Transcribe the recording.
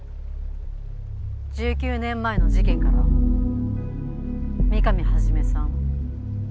１９年前の事件から美神始さん。